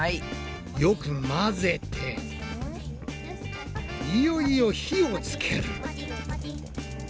よく混ぜていよいよ火をつける！